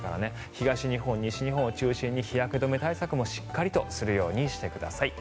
東日本、西日本を中心に日焼け止め対策もしっかりするようにしてください。